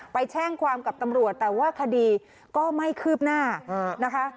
แจ้งความกับตำรวจแต่ว่าคดีก็ไม่คืบหน้านะคะ